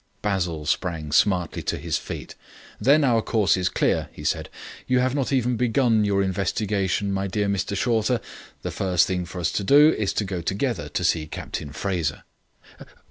Basil sprang smartly to his feet. "Then our course is clear," he said. "You have not even begun your investigation, my dear Mr Shorter; the first thing for us to do is to go together to see Captain Fraser."